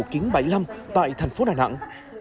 tại thành phố đà nẵng